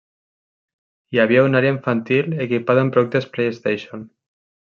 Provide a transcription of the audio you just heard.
Hi havia una àrea infantil equipada amb productes PlayStation.